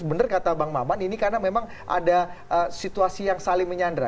benar kata bang maman ini karena memang ada situasi yang saling menyandra